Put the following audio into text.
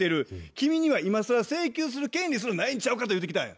君には今更請求する権利すらないんちゃうか」と言うてきたんや。